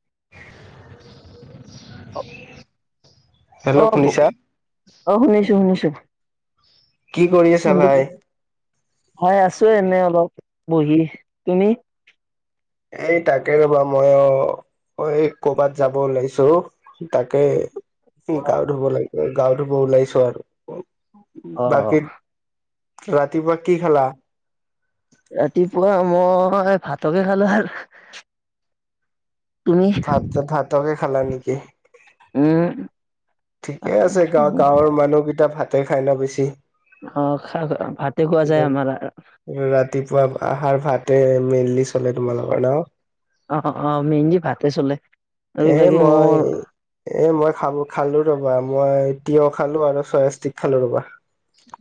[inaudible] [unintelligible] Hello অ, শুনিছা? অ শুনিছোঁ, শুনিছোঁ কি কৰি আছা ভাই হয় আছো এনে অলপ বহি তুমি এই তাকে ৰ'বা মই অ অ', এই কৰ'বাত যাব ওলাইছো, তাকে। গাও ধুব লাগিব গাও ধুব ওলাইছো আৰু অ বাকী ৰাতিপুৱা কি খালা ৰাতিপুৱা মই ভাতকে খালো আৰু তুমি ভাত ভাতকে খালা নেকি? উম। ঠিকে আছে গা গাঁৱৰ মানুহকেইটা ভাতে খাই ন বেছি অ খা ভাতে খোৱা যায় আমাৰ ৰাতিপুৱা আহাৰ ভাতে মেইনলি চলে তোমালোকৰ ন? অ, অ মেইনলি ভাতে চলে আৰু এ বাকী মই মোৰ এ মই খাবো খালো ৰ ৰবা মই তিয়হ খালো আৰু ছয়াষ্টিক খালো ৰবা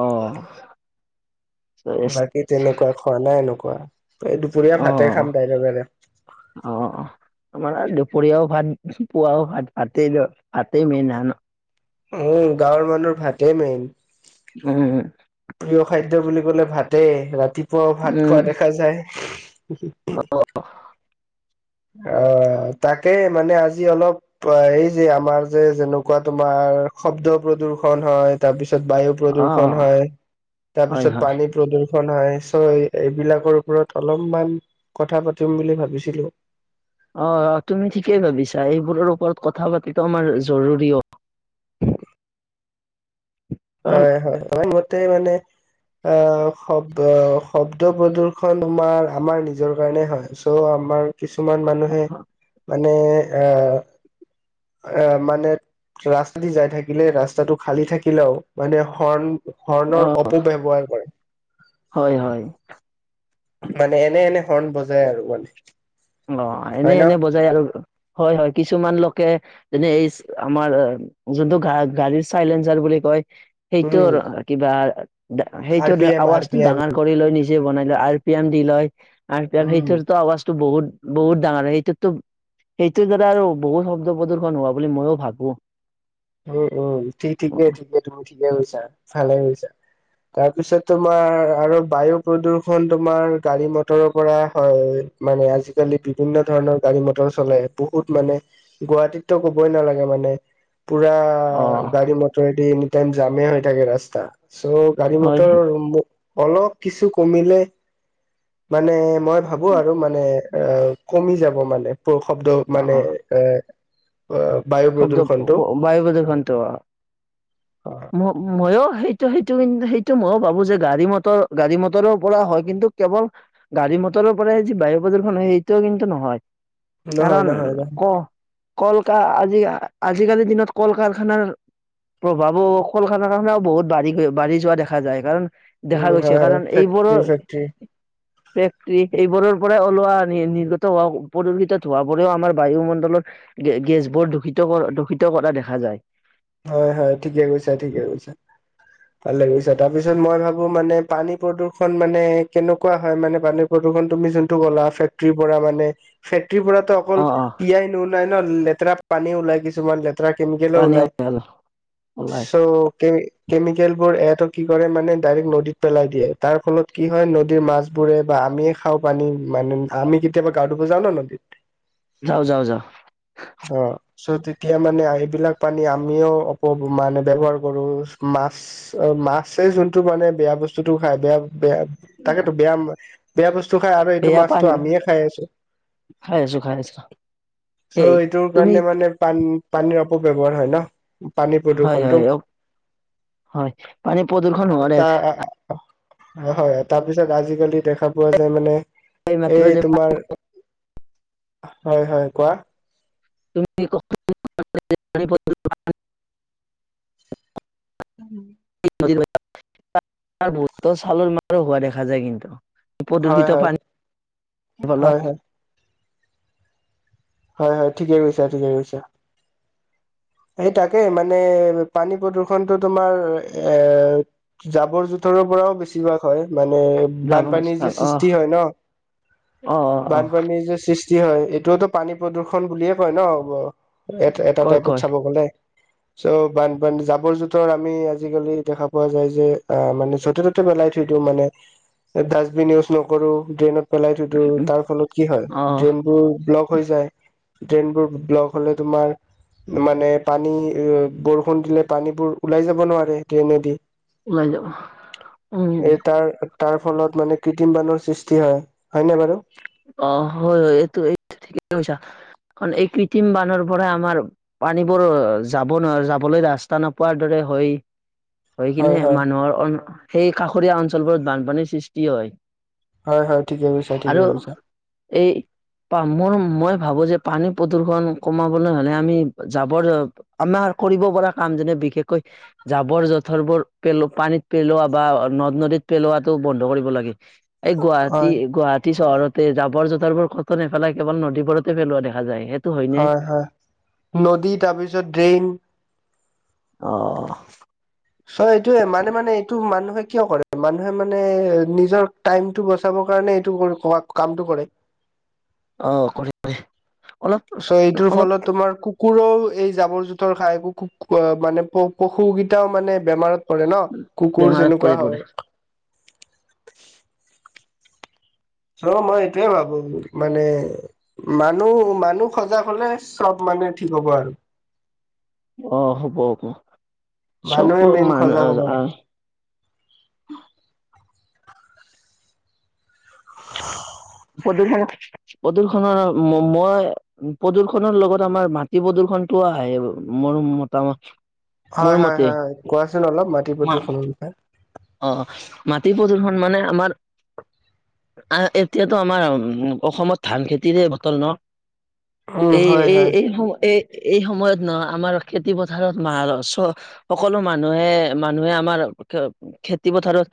অ'। বাকী তেনেকুৱা খোৱা নাই এনেকুৱা এই দুপৰীয়া অ অ ভাতে খাম তাইলে বাৰে অ আমাৰ আৰু দুপৰীয়াও ভাত, পুৱাও ভাত, ভাতেই মেইন আৰু উ গাঁৱৰ মানুহ ভাতেই মেইন উম। প্ৰিয় খাদ্য বুলি কলে ভাতেই ৰাতিপুৱাও ভাত খোৱা উম দেখা যায় উ। অ তাকে মানে আজি অলপ এই যে আমাৰ যে যেনেকুৱা তোমাৰ শব্দ প্ৰদূষণ হয় তাৰপিছত তিছত [unintelligible] বায়ু অ প্ৰদূষণ হয় হয় তাৰপিছত হয় পানী প্ৰদূষণ হয় নিশ্চয় এইবিলাকৰ ওপৰত অলপমান কথা পাতিম বুলি ভাবিছিলোঁ অ তুমি ঠিকেই ভাবিছা এইবোৰৰ ওপৰত কথা পাতি আমাৰ [unintelligible] জৰুৰীও হয়। হয়, হয়, হয়। মতে মানে অ শব্দ আহ শব্দ প্ৰদৰ্শন তোমাৰ আমাৰ নিজৰ কাৰণে হয় চ' আমাৰ কিছুমান মানুহে মানে এ এ মানে ৰাস্তা দি যাই থাকিলে ৰাস্তাটো খালী থাকিলেও মানে হৰ্ণ অ হৰ্ণৰ অপব্যৱহাৰ কৰে। হয় হয় মানে এনে এনে হৰ্ণ বজাই আৰু মানে অ এনে হয় ন এনে বজাই আৰু হয় হয় কিছুমান লোকে যেনে এই আমাৰ যোনটো গা গাড়ীৰ চাইলেঞ্চাৰ বুলি কয় উম সেইটোৰ কিবা আৰ সেইটোৰ পি এম আৰ পি আৱাজটো এম ডাঙৰ কৰি লৈ নিজ বনাই লয় আৰ পি এম দি লয় আৰ পি এম উম সেইটো আৱাজটো বহুত বহুত ডাঙৰ হয় এইেইটোতো সেইটোৰ দ্বাৰা আৰু বহুত শব্দ প্ৰদূশন হোৱা বুলি মইও ভাবো উম উম ঠিকেই ঠিকে তুমি ঠিকে গছা ভালে গছা তাৰপিছত তোমাৰ আৰু বায়ু প্ৰদূৰ্ষন তোমাৰ গাড়ী মটৰৰ পৰা হয় মানে আজিকালি বিভিন্ন ধৰণৰ গাড়ী, মটৰ চলাই বহুত মানে গুৱাহাটীতো কবই নালাগে। মানে পুৰা অ গাড়ী মটৰদি এনিটাইম জামে হৈ থাকে ৰাস্তা চ' গাড়ী মটৰ হয় অলপ কিছু কমিলে মানে মই ভাবো আৰু মানে অ' কমি যাব মানে প্ৰ শব্দ অ মানে এ অ বায়ু প্ৰদূষণটো বজখন ম ম সেইটো সেইটো কিন্ত সেইটো মইো ভাবো যে গাড়ী মৰ গাড়ী মটৰৰ পৰা হয় কিন্তু কেৱল গাড়ী মটৰৰ পৰাই যি বায়ু প্ৰদূষণ হয়, সেইটোও কিন্তু নহয় নহয় কাৰণ নহয় নহয় ক' কল আজি আজিকালিৰ দিনত কল কাৰখানাৰ প্ৰভাৱো কলখানা-কাৰসানাও বহুত বাঢ়ি গৈ বাঢ়ি যোৱা দেখা যায় কাৰণ দেখা উম হয় গৈছে হয় কাৰণ এইবোৰো ফেক্টৰী ফেক্টৰী ফেক্টৰী এইবোৰৰ পৰাই ওলোৱা নিৰ্গত হোৱা প্ৰদূষিত হোৱা বোৰেও আমাৰ বায়ুমণ্ডলত গে, গেছবোৰ দূষিত কৰা দূষিত কৰা দেখা যায়। হয় হয় ঠিকে কৈছা ঠিকে কৈছো ভালে গৈছে তাৰ পিছত মই ভাবো মানে পানী প্ৰদূৰ্ষণ মানে কেনেকুৱা হয়, মানে পানী প্ৰদূৰ্ষণ তুমি যোনটো ওলা ছেত্ৰীৰ পৰা মানে পিৰ পৰাতো অ অকল অ তিয়াই নু নাই ন লেতেৰা পানী ওলাই কিছুমান লেতেৰা কেমিকেলো ওলায় পানী ওলাই কেমিকেল বোৰ এ টো কি কৰে মানে ডাইৰেক্ট নদীত পেলাই দিয়ে তাৰ ফলত কি হয় নদীৰ মাছবোৰ ফুৰে বা আমিয়ে খাওঁ পানী মানে আমি কেতিয়াবা গাঁৱতব যাওঁ নদীত যাও-যাও-যাও। অ চ' তেতিয়া মানে সেইবিলাক পানী আ আমিও অপ মানে ব্যৱহাৰ কৰো মাছ, মাছে যোনটো মানে বেয়া বস্তুতটো খাই বেয়া বেয়া তাকেতো বেয়া বেয়া বস্তু খাই আৰু এইটো এয়া মাছটো পান আমিয়ে খাই আছো খাই আছো খাই আছো ত' এই এইটোৰ তুমি কাৰণে মানে পান পানীৰ অপ ব্য্ৱহাৰ হয় ন পানী হয় হয় প্ৰদূৰ্ষণটো। অ- হয়, পানী প্ৰদূ্ষণ হোৱাৰে হয়-হয় তাৰ পিছত আজিকালি দেখা পোৱা যায় মানে এই মাত্ৰ যে [unintelligible] হয়-হয় কোৱা। তুমি [unintelligible] উম [unintelligible] চালৰ মাৰো হোৱা দেখা যায় কিন্তু হয় প্ৰদূষিত হয় পানী হয় ফলত হয় হয় হয় ঠিকে কৈছা ঠিকে কৈছা সেই তাকে মানে পানী প্ৰদূ্ষনতটো তোমাৰ এ জাবৰ জোথৰ ৰুৰ পৰাও বেছিভাগ হয় মানে জাবৰ বানপানীৰ যে ছাল- অহ সৃষ্টি হয় ন' অ অ অ বানপানীৰ যে সৃষ্টি কি হয় এইটোওতো পানী প্ৰদূৰ্ষণ বুলিয়ে কয় ন'। ক ক হয়। চ বানান জাবৰ জোতৰ আমি আজিকালি দেখা পোৱা যায় যে মানে য'তে ত'তে মেলাই থৈ ইটো মানে ডাষ্টবিন ইউজ নকৰো, ড্ৰেনত পেলাই থৈ দিো তাৰ ফলত কি হয় অ ড্ৰেইনবোৰ ব্লক হৈ যায় ড্ৰেইনবোৰ ব্লক হলে তোমাৰ মানে পানী বৰষুণ দিলে পানীবোৰ ওলাই যাব নোৱাৰে ড্ৰেইনেদি ওলাই যাব উম এই তাৰ তাৰ ফলত মানে কি ক্ৰিটিম বানৰ সৃষ্টি হয় হয় নে বাৰু অ হয় হয় এইটো এইটো ঠিকেই কৈছা কাৰ এই কৃত্ৰিম বানৰ পৰা আমাৰ পানীবোৰ যাব নোৱাৰে, যাবলৈ ৰাস্তা নোপোৱাৰ দৰে হয়। হৈ হয় কিনে হয় মানুহৰ সেই কাষৰীয়া অঞ্চলবোৰত বানপানীৰ সৃষ্টি হয়। হয় হয় ঠিকে বুছা ঠিকে আৰু কৈছা এই মোৰ মই ভাবো যে পানী প্ৰদূৰ্ষন কমাবলৈ হ'লে আমি জাবৰ আমাৰ কৰিব পৰা কাম যেনে বিশেষকৈ জাবৰ- জোথৰবোৰ পেলোৱা পানীত পেলোৱা বা নদ-নদী পেলোৱাটো বন্ধ কৰিব লাগে এই গুৱাহাটী হয় গুৱাহাটী চহৰত তে জাবৰ-জোথৰবোৰ কত নেপেলাই কেৱল নদীবোৰতে পেলোৱা দেখা যায়। হয়নে হয় হয় নদী তাৰপিছত ড্ৰেইন অহ। চ' এইটোয়ে মানে-মানে এইটো মানুহে কিয় কৰে মানুহে মানে নিজৰ টাইমটো বচাব কাৰণে এইটো ক কামটো কৰে অ কৰিব কৰে কৰে। চ' এইটোৰ ফলত তোমাৰ কুকুৰো এই জাবৰ-জোথৰ খাই একো খুব মানে পশুকেইটাও মানে বেমাৰত কৰে ন' কুকুৰ বেমাৰত যেনেকুৱা পৰি হয়। পৰে ৰ মই এইটোয়ে ভাবো মানে মানুহ মানুহ সজাগ হলে চব মানুহ ঠিক হব আৰু অ হ'ব হব চব মানুহে মেইন মান সজাগ হ'ব আহ লাগে [inaudible] প্ৰদূৰ্ষণ, প্ৰদূৰ্ষণৰ মই প্ৰদূ্ষণৰ লগত আমাৰ মাটি প্ৰদূষণ। ঘ আহে মোৰ মতামত মোৰ হয় হয় মতে হয় কোৱাচোন অলপ মাটি পতে অহ মাটি প্ৰদূষণ মানে আমাৰ এতিয়াতো আমাৰ অসমত ধান খেতিৰে বতৰ ন'। উম এই হয় এ হয় এই সময়ত এই সময়ত নহ আমাৰ খেতি পথাৰত মাহ চ সকলো মানুহে, মানুহে আমাৰ খেতি পথাৰত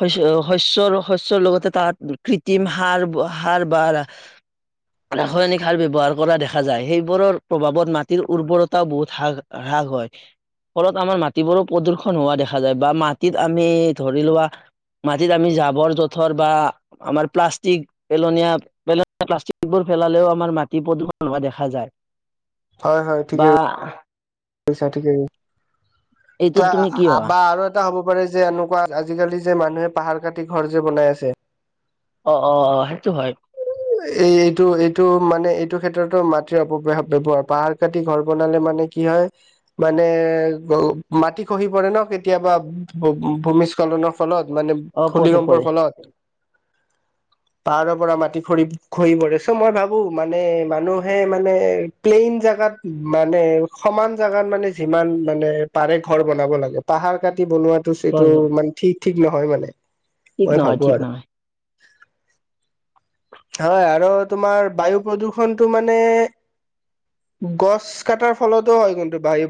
শস্য-শস্য লগতে তাত কৃত্ৰিম সাৰ সাৰ বাৰ-বাৰ। ৰাসায়নিক সাৰ ব্যৱহাৰ কৰা দেখা যায়। সেইবোৰৰ প্ৰভাৱত মাটিৰ উৰ্বৰতাও বহুত হ্ৰাস হয় ফলত আমাৰ মাটিবোৰো প্ৰদূ্ষণ হোৱা দেখা যায় বা মাটি ত আমি ধৰি লোৱা মাটিত আমি জাবৰ জোথৰ বা আমাৰ প্লাষ্টিক পেলনীয়া পেলন প্লাষ্টিক বোৰ। পেলালেও আমাৰ মাটি প্ৰদূষণ হোৱা দেখা যায় হয় হয় বা ঠিকেই কৈছা ঠিকে এ এইটোত তুমি কি ভাবা বা আৰু এটা হ'ব পাৰে যে এনেকুৱা আজিকালি যে মানুহে পাহাৰ কাটি ঘৰ যে বনাই আছে অ অ অ সেইটো হয় এই এইটো এইটো মানে, এইটো ক্ষেত্ৰতো মাটিৰ অপ ব্যৱহাৰ পাহাৰ কাটি ঘৰ বনালে মানে মানে কি হয় মানে মাটি খহি পৰে ন কেতিয়াবা ভূমিজ নৰ ফলত মানে অ পৰে ভূমিকম্পৰ পৰে ফলত পাহাৰৰ পৰা মাটি ঘৰি পৰে চ' মই ভাবো মানে মানুহে মানে প্লেইন জেগাত মানে সমান জোগাত মানে যিমান মানে পাৰে ঘৰ বনাব লাগে পাহাৰ কাটি বনোৱাাতো সেইটো হয় হয় মানে ঠিক ঠিক নহয় মানে ঠিক মই নহয় ভাবো ঠিক আৰু নহয় [unintelligible] হয় আৰু তোমাৰ বায়ু প্ৰদূষণটো মানে গছ কটাৰ ফলতো হয় কিন্তু বাহ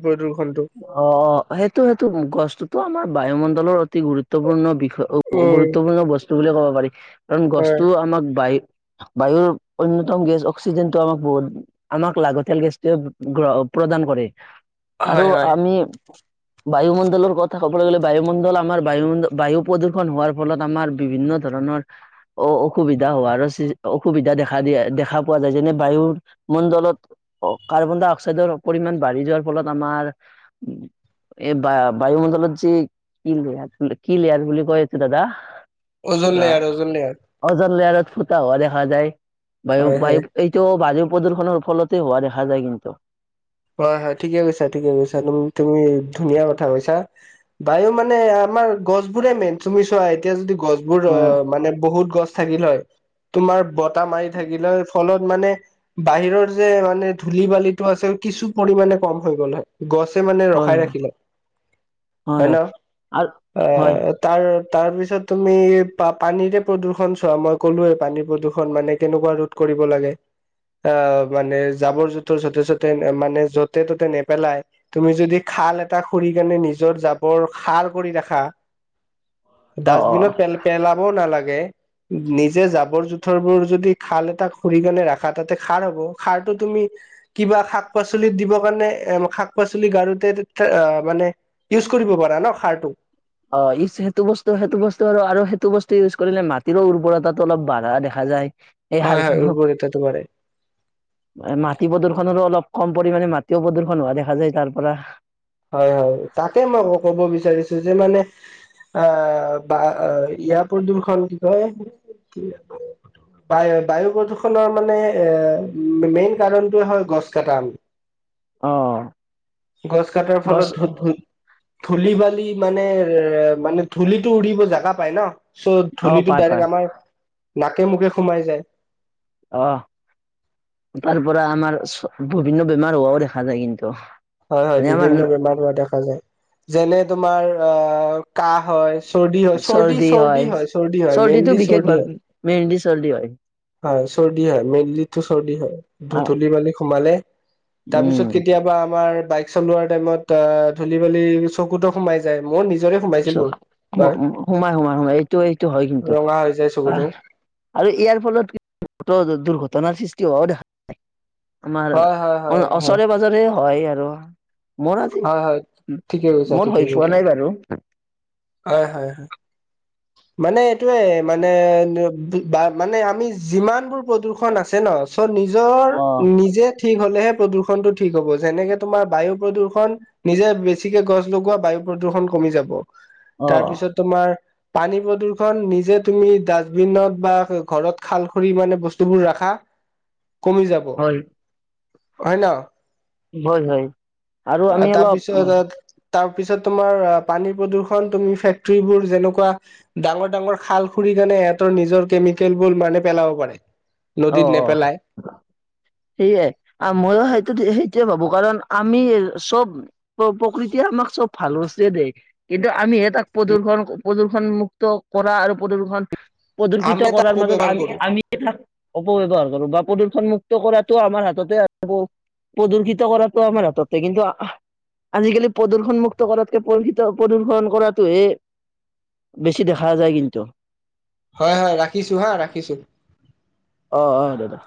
অ অ সেইটো সেইটো গছটোতো আমাৰ বায়ুমণ্ডলৰ অতি গুৰুত্বপূৰ্ণ বিষ উম, গুৰুত্বপূৰ্ণ বস্তু বুলি ক'ব পাৰি কাৰণ হয়, গছটো আমাক বায়ু বায়ুৰ অন্যতম গেছ অক্সিজেনটো আমাক বহুত আমাক লাগতিয়াল গেছটোৱে গ প্ৰদান কৰে আৰু হয়, হয়, আমি বায়ুমণ্ডলৰ কথা ক'বলৈ গ'লে বায়ুমণ্ডল আমাৰ বায়ুমণ্ বায়ু প্ৰদূষণ হোৱাৰ ফলত আমাৰ বিভিন্ন ধৰণৰ অ অসুবিধা হোৱাৰ অসুবিধা দেখা দিয়া দেখা পোৱা যায় যেনে বায়ুৰ মণ্ডলত কাৰ্বন ডাই অক্সাইডৰ পৰিমমান বাঢ়ি যোৱাৰ ফলত আমাৰ এই বা বায়ুমণ্ডলৰ যে কি ল কি লেহাজ বুলি কৈ আছে দাদা ওজন ব লেয়াৰ, ওজন লেয়াৰ, অজালাৰ [unintelligible] ফুতা হোৱা দেখা যায় বায়ু হয়, বায়ু হয়। এইটো বায়ু প্ৰদূষনৰৰ ফলতেই হোৱা দেখা যায় কিন্তু হয় হয় ঠিকে কৈছা ঠিকে কৈছা তুম তুমি ধুনীয়া কথা কৈছা বায়ু মানে আমাৰ গছ বোৰে মেইন তুমি চোৱা এতিয়া যদি গছ বোৰ অ মানে বহুত গছ থাকিল হয় তোমাৰ বতাহ মাৰি থাকিলে ফলত মানে বাহিৰৰ যে মানে ধূলি বালিটো আছিল। কিছু পৰিমামানে কম হৈ গ'ল। গছে মানে হয় ৰখাই হয় ৰাখিলে হয় ন আৰু হয় এ তাৰ তাৰ পিছত তুমি প পানীৰে প্ৰদূৰ্ষণ চোৱা মই ক'লোে পানীৰ প্ৰদূৰ্ষণ মানে কেনেকুৱা ৰোদ কৰি মানে জ মানে য'তে ত'তে নেপেলাই তুমি যদি খাল এটা খুৰি কেনে নিজৰ জাবৰ খাল ভাল কৰি ৰাখা হয় ডাষ্টবিনত পেল পেলাবও নালাগে নিজে জাবৰ জোথৰবোৰ যদি খাল এটা খুৰিকনে ৰাখা তাতে খাৰ হব খাৰটো তুমি কিবা শাক পাচলিত দিবৰ কাৰণে শাক পাচলি গাৰোতে মানে ইউজ কৰিব পাৰা ন খাৰটো অ' ই সেইটো বস্তু সেইটো বস্তু আৰু আৰু সেইটো বস্তু ইউজ কৰিলে মাটিৰো উৰ্বৰতাো অলপ বাঢ়া দেখা যায়। এই হয় হয় হালটো উৰ্বৰতাটো বাঢ়ে মাটি প্ৰদূশনৰো অলপ কম পৰিমাণে মাটিও প্ৰদূষন হোৱা দেখা যায় তাৰ পৰা হয় হয় তাকে মই ক'ব বিচাৰিছো যে মানে আহ বা ইয়াৰ প্ৰ দুখন কি কয় কি বায়ু বায়ু প্ৰদূষণৰ মানে এ মেইন কাৰণটোৱে হয় গছ কটা আমি আহ ফলত ধ ধি বালি মানে মানে ধূলিটো উৰিব জোগা পাই ন চ' অ ধূলিটো পায় পায় ডাইৰেক্ট আমাৰ নাকে মুখে সোমাই যায় আহ তাৰ পৰা আমাৰ বিভিন্ন বেমাৰ হোৱাও দেখা যায় কিন্তু হয় হয় এনে আমাৰ বিভিন্ন বেমাৰ হোৱা দেখা যায় যেনে তোমাৰ অ কাহ হয় চৰ্দি হয় চৰ্দি চৰ্দি হয় চৰ্দি হয় চৰ্দিটো মেইনলি বিশেষ ভাৱ চৰ্দি হয় মেইনলি চৰ্দি হয় হয় চৰ্দি হয় মেইনলিতো চৰ্দি হয় অ ধুতলি মেলি সোমালে উম তাৰপিছত কেতিয়াবা আমাৰ বাই চলোৱা টাইমত অ ধূলি বালি চকুতো সোমাই যায় মোৰ নিজ চ হুমাই হুমাই হুমাই এইটো এইটো হয় কিন্তন্তু ৰঙা হৈ যায় চকুতো আৰু ইয়াৰ ফলত দুৰ্ঘটনাৰ সৃষ্টি হোৱাও দেখা নাই আমাৰ হয় হয় অ হয় হয় ওচৰে পাজৰে হয় আৰু মোৰ আজি হয় হয় মোৰ হৈ পোৱা নাই বাৰু হয়-হয়-হয় মানে এইটোৱে মানে [unintelligible] মানে আমি যিমানবোৰ প্ৰদূ্ষন আছে নহ, চ'ব নিজৰ অ নিজে। ঠিক হলেহে, প্ৰদূষণটো ঠিক হ'ব। যেনেকে, তোমাৰ বায়ু প্ৰদূষণ, নিজে বেছিকে গছ লগোৱা বায়ু। প্ৰদূষণ কমি যাব, অ তাৰপিছত তোমাৰ। পানী প্ৰদূষন নিজে তুমি ডাষ্টবিনত বা ঘৰত খাল খান্দি মানে বস্তুবোৰ ৰাখা। [inaudible] কমি যাব, হয় হয় নহ? হয়, হয় আৰু আমি অলপ। তাৰ পিছত, তোমাৰ পানী প্ৰদূষণ। তুমি ফেক্টৰিবোৰ যেনেকুৱা, ডাঙৰ ডাঙৰ খাল খুৰ। সেইকাৰণে সেহঁতৰ নিজৰ কেমিকেল বোৰ মানে পেলাব পাৰে, নদীত নেপেলাই। সেইয়ে আৰু মোৰ হয়তো সেইটোৱে ভাবো। কাৰণ, আমি চব প্ৰ-প্ৰকৃতিয়ে আমাক চব ভাল বস্তুৱে দেই। কিন্তু, আমিহে তাক। প্ৰদূষন-প্ৰদূষন মুুক্ত কৰা আৰু প্ৰদূষন প্ৰদূষিত আমি এটা কৰাৰ মাজত অপব্যৱহাৰ আমি কৰো আমি তাক অপব্যৱহাৰ কৰো বা প্ৰদূষণমুক্ত কৰাটো আমাৰ হাততে আছে ব প্ৰদূষিত কৰাটো আমাৰ হাততে কিন্তু আজিকালি প্ৰদৰ্শন মুুক্ত কৰাতকে, প্ৰদূষিত প্ৰদূ্ষন কৰাটোহে। বেছি দেখা যায়, কিন্তু? হয়, হয়, ৰাখিছো। হা, ৰাখিছো। অহ-অহ দাদা।